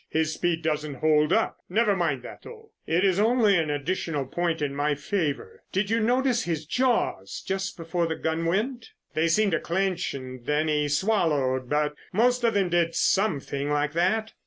His speed doesn't hold up. Never mind that, though, it is only an additional point in my favor. Did you notice his jaws just before the gun went?" "They seemed to clench and then he swallowed, but most of them did some thing like that."